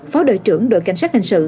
phó đội trưởng đội cảnh sát hình sự